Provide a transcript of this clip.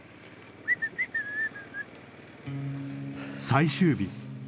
最終日。